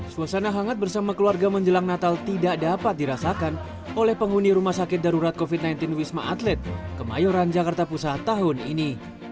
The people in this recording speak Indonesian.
suasana hangat bersama keluarga menjelang natal tidak dapat dirasakan oleh penghuni rumah sakit darurat covid sembilan belas wisma atlet kemayoran jakarta pusat tahun ini